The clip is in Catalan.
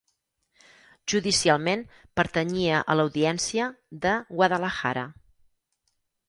Judicialment pertanyia a l'Audiència de Guadalajara.